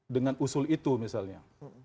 dengan usul itu misalnya